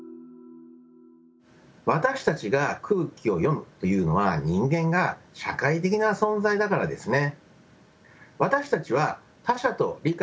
私たちが「空気を読む」というのは人間が社会的な存在だからですね。